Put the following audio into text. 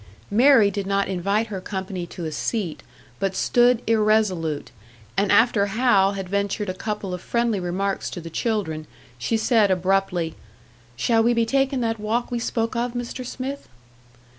Mary did not invite her company to a seat, but stood irresolute; and after Hal had ventured a couple of friendly remarks to the children, she said, abruptly, "Shall we be takin' that walk that we spoke of, Mr. Smith?"